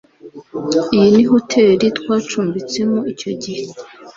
Iyi ni hoteri twacumbitsemo icyo gihe.